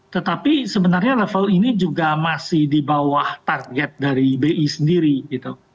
tetapi sebenarnya level ini juga masih di bawah target dari bi sendiri gitu